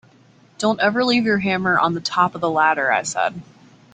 Don’t ever leave your hammer on the top of the ladder, I said.